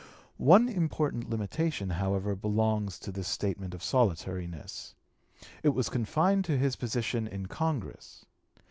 One important limitation, however, belongs to this statement of solitariness. It was confined to his position in Congress.